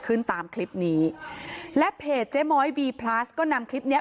ขึ้นตามคลิปนี้และเพจเจ๊ม้อยบีพลัสก็นำคลิปเนี้ย